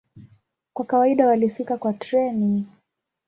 Kwa kawaida walifika kwa treni.